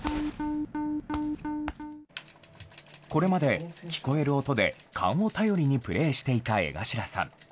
これまで聞こえる音で勘を頼りにプレイしていた江頭さん。